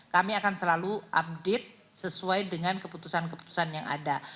kami akan selalu update sesuai dengan keputusan keputusan yang ada